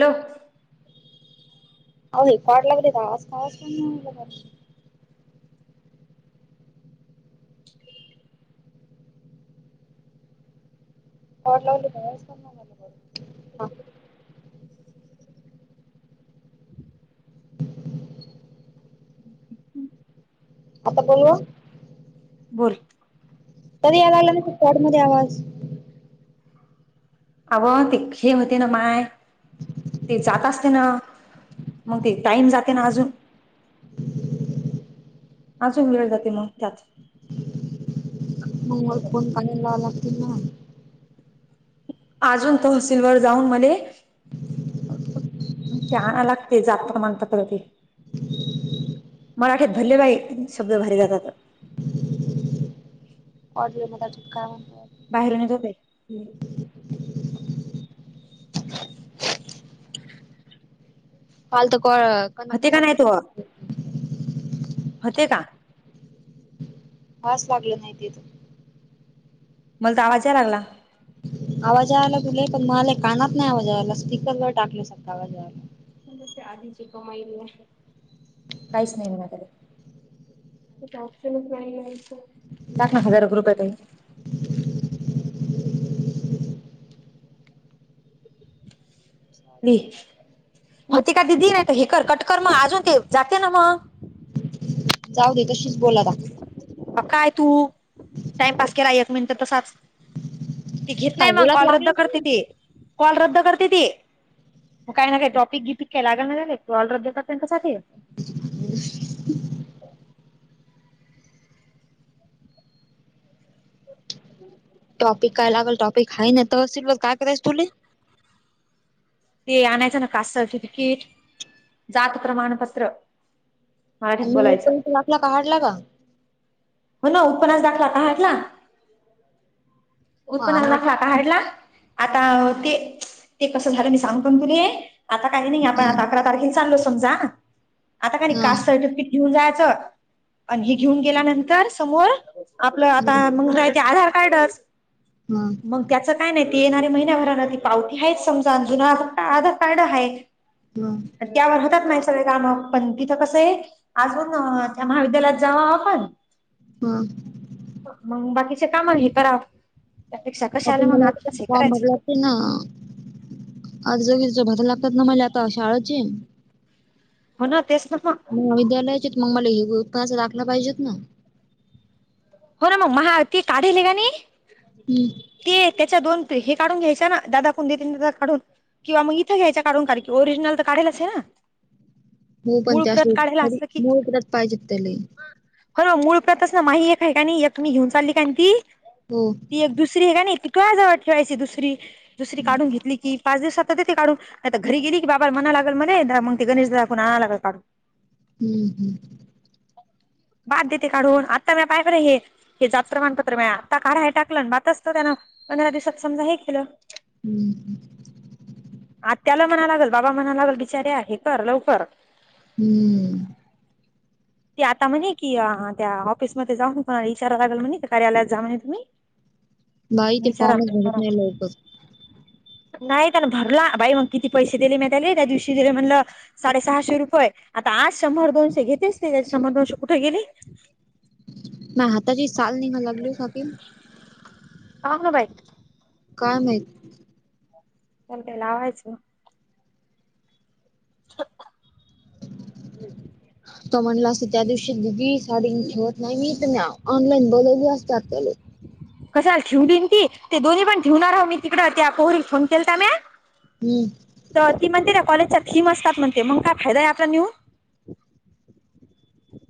Hello अं हे कटंलाग रे आंज, आंज पणं होटलं जासंक आंता बोलूं? बोलं. तरी यायंलागंला नां तरी कोर्टमध्यें आवांज. आंव ते धीकशे होतं नां मांय. ते जातं असते नां! मंग ते टाईम जाते नां अजूंन. अजूंन वेळं जाते मंग त्यांत. फोन वर फोन बंद झाला की नाय. अजून तहसीलवर जाऊन म्हणे छान लागते, जातो म्हणतात ते. मराठीत भरले बाई सगळ भारीला जात. [unintelligible] काय म्हणतात? बाहेरून येत होते. हम्म फालतू कोण कना होते का कना [inaudible] नाही तो होते का? खास लागल नाही तिथं. मला तर आवाज याय लागला. आवाज यायलागले पण मला कानात नाही आवाजायला स्पीकर वर टाकले सारखा आवाज यायला. पण तुमची आधीची कमाईली आहे. काहीच नाही माझ्याकडे. इथं ऑप्शनच नाही ना इथं. टाक ना हजारो ग्रुप आहे तो. दे मग ते काय दिदी नाही हे कर कटकर मग अजून ते जाते ना मग? जाऊ दे तशीच बोल आता. म काय तू टाइमपास केला एक मिनिट तसाच. ते घेत नाही काय मग बोलात कॉल रद्द लागलंच ना करते ती, कॉल रद्द करते ते. मग काय न काय टॉपिक गिपिक केला ग म्हणे ते कॉल रद्द कर त्यांच्यासाठी. हम टॉपिक काय लागेल टॉपिक आहे ना तर [unintelligible] काय करायच तुली? ते आणायचं ना कास्ट सर्टिफिकेट, जात प्रमाणपत्र. मराठीत हो बोलायचं पण तो आपला काढला का. हो ना उत्पन्नाचा दाखला काढला. हा उत्पन्नाचा नाही दाखला काढला? आता ते, ते कसं झालं मी सांगून काय तुले? आता काही नाही आपण अकरा तारखेला चाललो समजा आता काय नाही हा कास्ट सर्टिफिकेट घेऊन जायचं आणि हे घेऊन गेल्यानंतर समोर आपलं हा आता मग जाय ते आधार कार्डच. हा. मग त्याचं काय नाही ते येणाऱ हाय महिन्याभरान ती पावती आहेच समजा जुन आधा आधार कार्ड आहे. हम्म. आणि त्यावर होतात ना ही सगळे काम, पण तिथं कसं आहे अजून त्या महाविद्यालयात जाव आपण हा. मग मंग बाकीचे काम हे करावं त्यापेक्षा कशाला मग आत्ताच हे करायचे. ते ना अर्ज बिर्ज भरून लागतात ना मला आता शाळची. हो ना तेच ना म विद्यालयाचे मग मला हे [unintelligible] दाखलं पाहिजेत ना हो ना मग महाआरती काढली का नाही हम्म. ते त्याच्या दोन हे काढून घ्यायच्या ना दादा कोण देतात तीन दादा काढून किंवा मग इथे घ्यायच्या काढून कारण की ओरिजिनल तर काढालच ना. म पण मूळ प्रत त्याशी काढायला असलं [unintelligible] पाहिजे त्याली. होर मूळ प्रतच ना माही एक काय का एक मी घेऊन चालली काय ती हो. एक दुसरी हे काय ना इतका्या जवळ ठेवायची दुसरी, दुसरी हम्म काढून घेतली की पाच दिवस सातात ते काढून, नाही तर घरी गेली की बाबालाणा लागल मणे मग ते गणेश दाखून आण लागल काढून. हम्म हम्म. बाद देते काढून, आत्ता म्या पायबरं हे हे जात प्रमाणपत्र मिळा, आता काढाय टाकलं मातचत त्यान, पंधरा दिवसात समजा हे केलं. हम्म. आत्याला म्हणा लागल बाबा म्हणा लागल, बिचार्या हे कर लवकर. हम्म. ते आता म्हणे की त्या ऑफिसमध्ये जाऊन को इचारा लागल म्हणे कार्यालयात जा म्हणे तुम्ही बाई ते फॉर्मच विचारा भरत नाही लोकं नाही त्यान भरला, बाई मग किती पैसे दिले मी त्याले त्या दिवशी दिले म्हणलं साडे सहाशे रुपये्, आता आज शंभर दोनशे घेतेच, शंभर दोनशे कुठे गेले मा हताची साल निघा लागली काकी अंग ना बाई काय माहित‌. पण ते लावायचं. [inaudible] म्हणलं असं त्या दिवशी दिदी साडी ठेवत नाही मी, तर ऑनलाईन बोलवली असतं त्याले कशाला ठेवलीन की ते [unintelligible] दोन् पण ठेव आहो मी तिकडं त्या कोहरीत फोन केलता म हम्म. तर ती म्हणते र कॉलेजच्या थीम असतात म्हणते, मग काय फायदा आहे आपला नेऊन.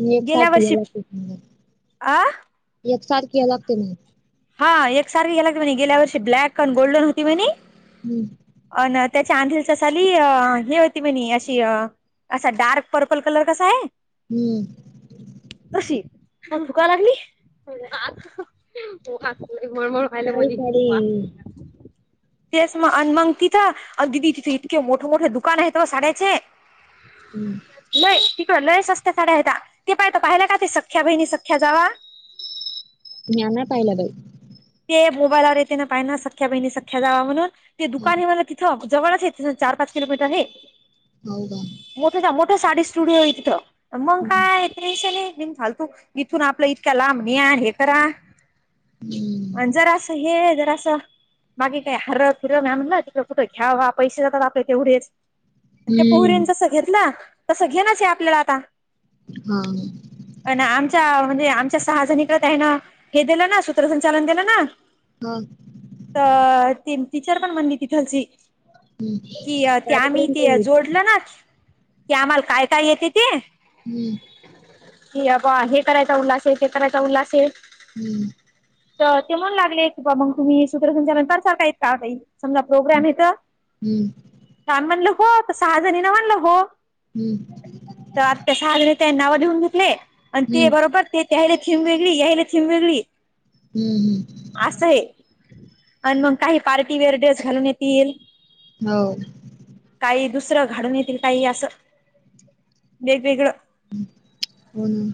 मी एक गेल्या साथ वर्षी झाला आ [unintelligible] एक सारखी लागते महा. हा एक सारखे गेला की म्हणे गेल्या वर्षी ब्लॅक अ आणि गोल्डन होती म्हणे. हम्म. अ ना त्याच्या आंधलचा साली, हे होती म्हणे अशी अ असा डार्क पर्पल कलर कसा आहे हम्म. तशी,, अग थुका लागली पोहा म्हणजे मळमळ व्हायला काही मली, सारी पोहा तेच अन मंग तीथं, आणि ददी तिथं इतके मोठं मोठं दुकान आहे ओ साडेचे. हम्म. लय तिकडं लय सस्त्या साड्या आहेता,, ते पाहिता पाहिलय काय ते सख्या बहिणी सख्या जावा. म्या नाही पाहिला बाई. ते मोबाईलवर येत ना पाहि ना सख्या बहिणी सख्या जावा म्हणून,, ते दुकानी मला थ जवळच इथनं चार पाच किलोमीटर हे. हो का. मोठ्याच्या मोठे साडी स्टुडिओ ईथं, न मंग हम्म काय ते कशाला येतील फालतूक, इथून आपला इतका लांब ने आण हे करा हम्म. आणि जर असं हे जर असं बाकी काही हरं फिरं म्या म्हणलं तिकडं कुठं घ्यावंवाव पैसे जातात आपले तेवढेच. आन त्या हम्म पोरीच जसं घेतलं, तसं घेनाच आपल्याला आता. हा. पण आमच्या म्हणजे आमच्या सहाजणीकडं, त्या हेन हे दिलं ना, सूत्रसंचालन दिलं ना हा. हा. तर ती टीचर पण बनली तिथलची. हम्म ती, ते आम्ही कार्यक्रम काही ते येत जोडल ना की आम्हाला काय काय येते ते? हम्म. कि अ हे करायचा उल्हास आहे, ते करायचा उल्हास आहे. हम्. तर ते म्हणू लागले की, बाबा मग तुम्ही सूत्रसंचालन करताल काय? इतकं आहे. समजा प्रोग्राम आहे इथं. हम्म आम्ही म्हणलं हो, त्या सहा जणीना म्हणलं हो. हम्म. तर आ सहाजने, त्यांनी नाव लिहून घेतले. आणि ते हम्म बरोबर ते त्याहेला थीम वेगळी, ह्यायेला थीम वेगळी हम्म हम्. असं आहे आणि मग काही, पार्टीवेअर ड्रेस घालून येतील. हो. काही दुसरं घाडून येतील, काही असं वेगवेगळं. हो ना.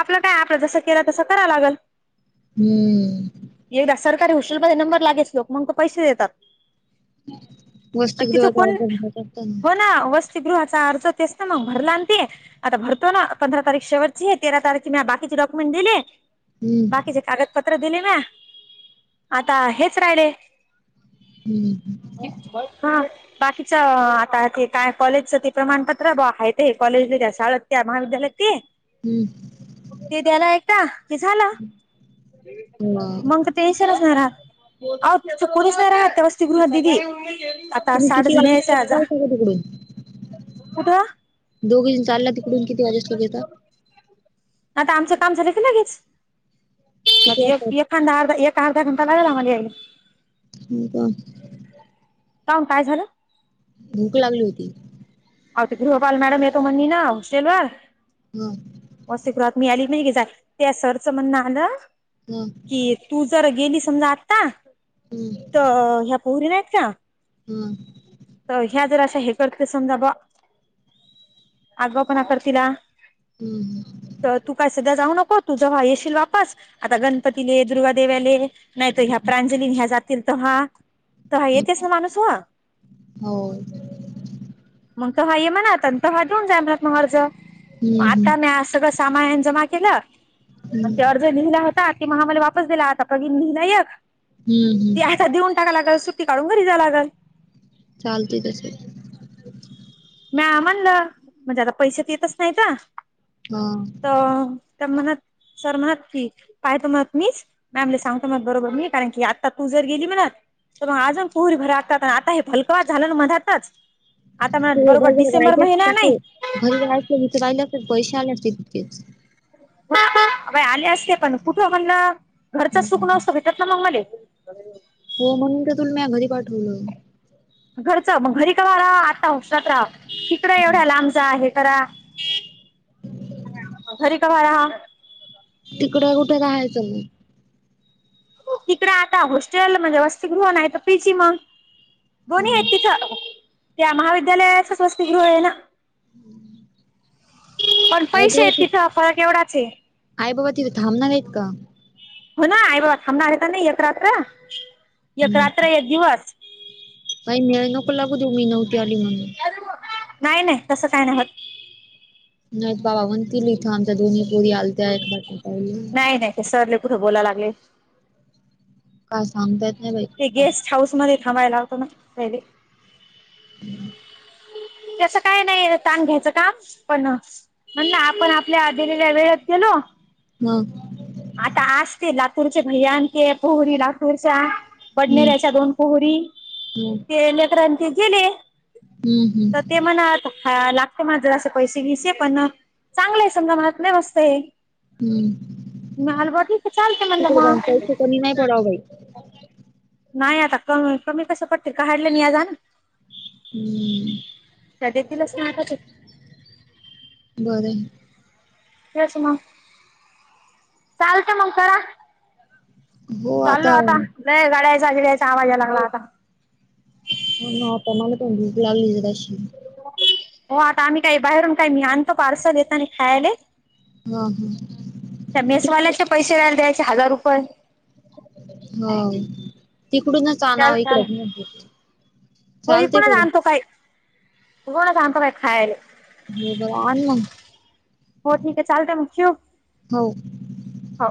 आपलं काय? आपलं जसं केलं, तसं करावं लागेल. हम्. एकदा सरकारी हॉस्टेलमध्ये नंबर लागेच लोक मंग तो पैसे देतात. आणि तिथं वसतिगृहाचा कोण? अभ्यास करता हो ना वस्त तीगृहाचा अर्ज तेच ना, मग भरलान ते. आता भरतो ना, पंधरा तारीख शेवटची आहे. तेरा तारखे, म बाकीचे डॉक्युमेंट दिले. हम्म बाकीचे कागद पत्र दिले ना, आता हेच राहिले. हम्म. हा. बाकीचं आता ते काय? कॉलेजचं ते प्रमाणपत्र बुआ आहे ते कॉलेज, त्या शाळेत, त्या महाविद्यालयात ते हम्म. ते त्याला ऐकता, ते झालं. हा मंग ते टेंशनच नाही रहात. आओ तिथं कोणीच नाही रहात, त्या वस्तीगृहात दिदी. आता तुम्ही साठ किती जणी वाजता, निघू यायच्या आज शकता असं तिकडून? कुठं दोघीजण चालला, तिकडून किती वाजेस् तोवर येता? आता आमचं, काम झालं की लगेच. किती आता वाजता एक येता एखांदा, अर्धा एक अर्धा घंटा लागेला आमाला याईला. हो का? काऊन, काय झालं? भूक लागली होती. आहो, ते गृहपाल मॅडाम येतो म्हणली ना हॉस्टेलवर? हम्, वस्तीगृहात मी आली नाही क झा त्या सरचं म्हणण आलं की, तू जर गेली समजा आता, हम्म तर ह्या पोरी नाहीत का? हम्. तर ह्या जर अशा, हे करते समजा बुआ आगाव पणा करतीला, हम्म हम तर तू काय सध्या जाऊ नको तू जेव्हा येशील वापस आता गणपतीले दुर्गादेव्याले नाही तर ह्या हम्म प्रांजली अण ह्या जातील तेव्हा तेव्हा येतेस ना माणसूव. हो मग तेव्हा ये म्हण आता तेव्हा घेऊन जा मग मज हम्म हम्म आता मी असं कस तमा एन जमा केलं [unintelligible] हम्म लिहिला होता ते मला म्हणले वापस दिला आता [unintelligible] लहिलं यक हम्म ते हम्म आता देऊन [unintelligible] सुट्टी काढून घरी जावं लागल. चालतय तस. मी आ म्हणलं म्हणजे आता पैशात येतच नाहीता हा तर त्या म्हणत सर म्हणत की पाय दमत नहीस, मॅ म्हणलं सांगतो मग बरोबर मी कारण की आता तू जर गेली म्हणत तर अजून पुरी भर आता आणि आता हे फलकवा झालं ना मधातच आता [unintelligible] म्हणत घरी बरोबर डिसेंबर रायला महिना नाही असगते पैसे आला असते तकेच बाई आले असते पण कुठं म्हणलं घरचं सुख हम्म. नसतं भेटत ना मग मले. हो म्हणून का तुला मी घरी पाठवलं. घरचं मग घरी कवा राहा आता उक्षात राहाव तिकड हम्म. एवढ्या लांब हे करा घरी कवा रहा. तिकड कुठे राहायचं मग? तिकडें आता हॉस्टेल म्हणजे वसतिगृह नाही तर पी सी मग, दोन्ही हम्म. आहेत तिथं त्या महाविद्यालयातच वसतिगृह आहे ना. पण आई पैसे बाबा आहेत ति तिथं फरक एवढाच आहे. आई बाबा तिथे थांबणार आहेत का? हो ना आई बाबा थांबणार आहेत ना एक रात्र एक रात्र एक दिवस. काही मेळ नको लागू देऊ मी नव्हती आली म्हणून, नाही नाही तसं काय नाही होत. नाही बाबा म्हणतील इथं आमच्या दोन्ही पोरी आलत्या एकदा भेटाय म्हणून, नाही नाही ते सर लयी [unintelligible] लागले काय सांगता येत नाही बाई. ते बाबा गेस्ट हाऊसमध्ये थांबायला होत ना पहिले, हम्म त्याच काय नाही ताण घ्यायचं काम पण म्हणलं आपण आपल्या दिलेल्या वेळेत गेलो मग आता आज ते लातूरचे भैया आणि ते पोरी लातूरच्या हम्म बडनेऱ्याच्या दोन पोरी हम्म ते लेकरं अण ते गेले हम्म हम्म मणा आता हा लागते माझं असे पैसे विसे पण चांगले आहे समजा महात नाही मस्तहे. हम्म मला बाकी तर चालते म्हटल मग, मी नाही [unintelligible] नाही आता कमी कमी कसं पडतील का काढलंय नी आजाना हम्म त्या देतीलच ना आता ते, बरं याचं मग, चालतंय मग करा हो चालो आता हो लय गाड्यायचा घिडयचा आवाज यायला लागला आता. हं पण मला तर भूक लागली तशी हों आता आम्ही कायी बाहेरून काही मी आणतो पार्सल येतानी खायाले हां हां. त्या मेसवाल्याचे पैसे व्याल्याचे पैसे एक द्यायचे हजार रुपये. हों तिकडूनच चाल आणावा चाल इकड हुं चालतेयकड रोज आणतो बाय खायले हो बर आण मग हों ठीकयं चालतंय मग ठेवू? हो. हों.